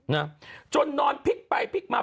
นะจนนอนพลิกไปพลิกมา